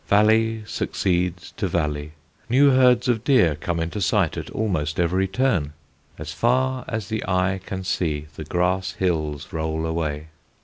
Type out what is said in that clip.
Valley succeeds to valley; new herds of deer come into sight at almost every turn; as far as the eye can see the grass hills roll away.